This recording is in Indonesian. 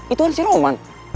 itu kan si roman